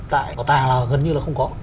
tại bảo tàng là gần như là không có